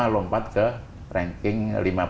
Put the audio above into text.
lompat ke ranking lima puluh